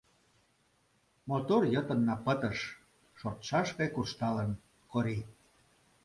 Мотор йытынна пытыш! — шортшаш гай куржталын Кори.